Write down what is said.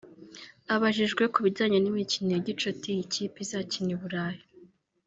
Abajijwe ku bijyanye n’imikino ya gicuti iyi kipe izakina i Burayi